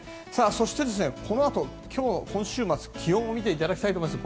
そして、このあと今日、今週末気温を見ていただきたいと思います。